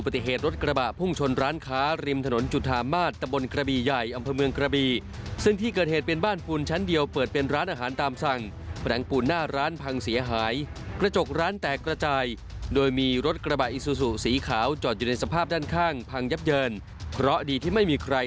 ติดตามเหตุนี้จากรายงานกันเลยค่ะ